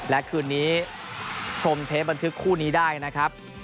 และคืนนี้ชมเทปบันทึกคู่นี้ได้นะครับ